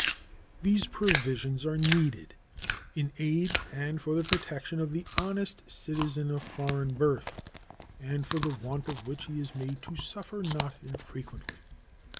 These provisions are needed in aid and for the protection of the honest citizen of foreign birth, and for the want of which he is made to suffer not infrequently.